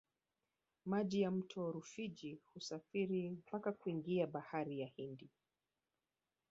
maji ya mto rufiji husafiri mpaka kuingia bahari ya hindi